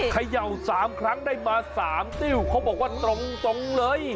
เขย่า๓ครั้งได้มา๓ติ้วเขาบอกว่าตรงเลย